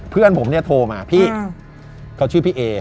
เพื่อนผมเนี่ยโทรมาพี่เขาชื่อพี่เอ